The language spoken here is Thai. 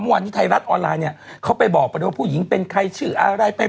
วันนี้ไทยรัฐออนไลน์เขาไปบอกผู้หญิงเป็นใครชื่ออะไร